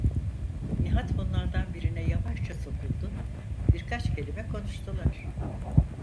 Nihat bunlardan birine yavaşça sokuldu, birkaç kelime konuştular.